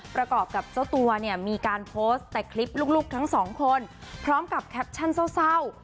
ประกอบกับเจ้าตัวเนี่ยมีการโพสต์แต่คลิปลูกทั้งสองคนพร้อมกับแคปชั่นเศร้า